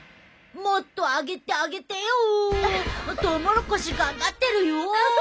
もっと上げてあげてよ！トウモロコシ頑張ってるよ！